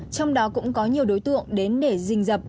trong đó cũng có nhiều đối tượng đến để dình dập